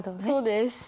そうです。